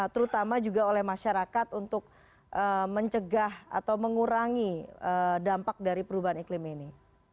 terutama juga oleh masyarakat untuk mencegah atau mengurangi dampak dari perubahan iklim ini